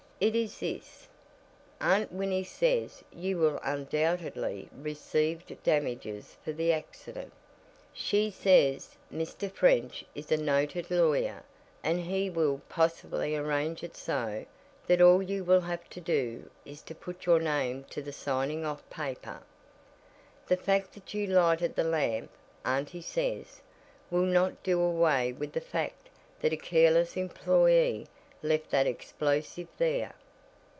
"It is this. Aunt Winnie says you will undoubtedly received damages for the accident. She says Mr. French is a noted lawyer and he will possibly arrange it so that all you will have to do is to put your name to the signing off paper. The fact that you lighted the lamp, auntie says, will not do away with the fact that a careless employee left that explosive there."